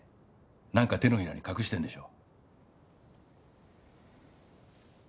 なんか手のひらに隠してんでしょ？